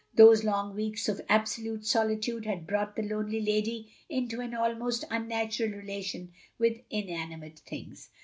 Those long weeks of absolute solitude had brought the lonely lady into an almost unnatural relation with inanimate things.